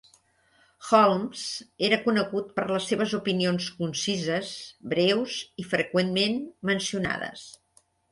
Holmes era conegut per les seves opinions concises, breus i freqüentment mencionades.